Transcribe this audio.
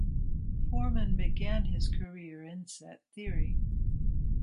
Foreman began his career in set theory.